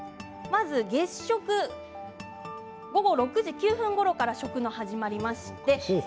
まず月食午後６時１９分ごろから始まります。